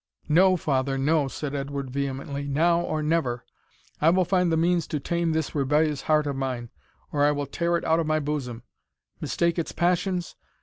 "No, father, no," said Edward, vehemently, "now or never! I will find the means to tame this rebellious heart of mine, or I will tear it out of my bosom Mistake its passions?